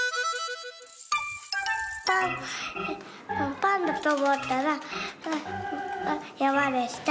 「パンだとおもったらやまでした。